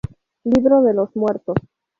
Libro de los muertos.